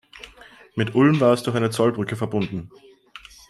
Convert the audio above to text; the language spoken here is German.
Mit Ulm war es durch eine Zollbrücke verbunden.